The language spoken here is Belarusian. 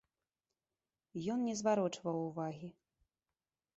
Ён не зварочваў увагі.